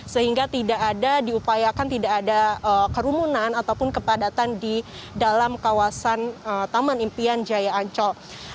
sehingga tidak ada diupayakan tidak ada kerumunan ataupun kepadatan di dalam kawasan taman impian jaya ancol